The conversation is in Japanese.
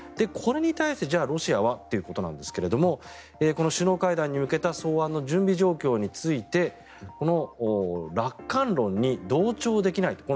これに対して、じゃあロシアはということなんですが首脳会談に向けた草案の準備状況についてこの楽観論に同調できない。